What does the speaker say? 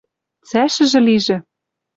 Цӓшӹжӹ лижӹ